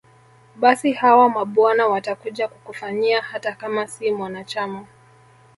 Basi hawa mabwana watakuja kukufanyia hata kama si mwanachama